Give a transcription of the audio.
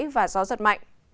mưa đá và gió giật mạnh